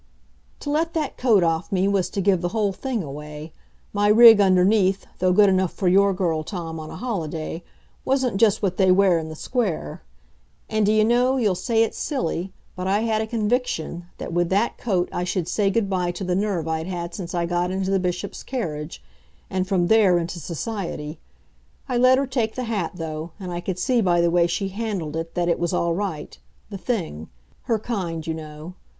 To let that coat off me was to give the whole thing away. My rig underneath, though good enough for your girl, Tom, on a holiday, wasn't just what they wear in the Square. And, d'ye know, you'll say it's silly, but I had a conviction that with that coat I should say good by to the nerve I'd had since I got into the Bishop's carriage, and from there into society. I let her take the hat, though, and I could see by the way she handled it that it was all right the thing; her kind, you know.